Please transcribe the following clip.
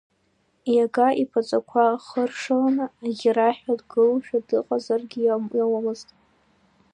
Иага иԥаҵақәа хыршаланы, аӷьараҳәа дгылоушәа дыҟазаргьы иауамызт.